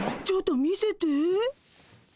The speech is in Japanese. ちょっと見せて。